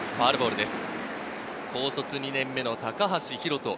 高卒２年目の高橋宏斗。